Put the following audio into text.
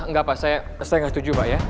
enggak pak saya nggak setuju pak ya